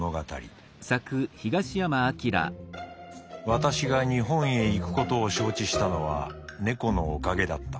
「私が日本へ行くことを承知したのは猫のおかげだった」。